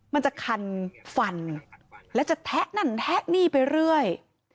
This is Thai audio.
มันจะคันฟันแล้วจะแทะนั่นแทะนี่ไปเรื่อย